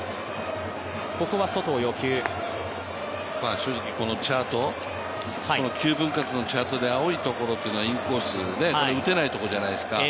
正直このチャート、９分割のチャートで青いところというのはインコース、打てないところじゃないですか